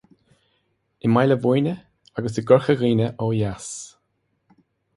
I mBaile Bhuirne agus i gCorca Dhuibhne ó dheas.